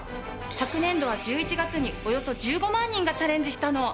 昨年度は１１月におよそ１５万人がチャレンジしたの。